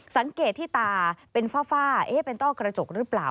สังเกตที่ตาเป็นฝ้าเป็นต้อกระจกหรือเปล่า